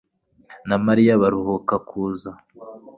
na Mariya baruhuka ku kazi.